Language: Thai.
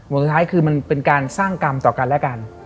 สุดท้ายคือมันเป็นการสร้างกรรมต่อกันและกัน